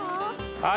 はい。